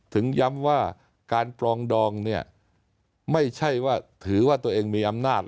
ถึงย้ำว่าการปรองดองเนี่ยไม่ใช่ว่าถือว่าตัวเองมีอำนาจ